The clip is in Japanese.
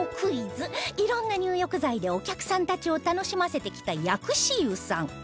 いろんな入浴剤でお客さんたちを楽しませてきた薬師湯さん